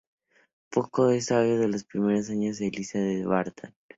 Poco es sabido de los primeros años de Elizabeth Barton.